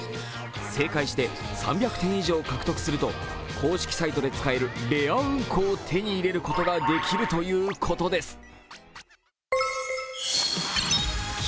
正解して３００点以上獲得すると公式サイトで使えるレアうんこを手に入れることができるということです。